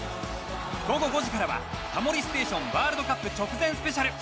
午後５時からは「タモリステーション」ワールドカップ直前スペシャル。